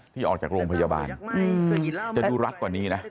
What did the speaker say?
ที่ออกจากโรงพยาบาลจะดูรัดกว่านี้นะ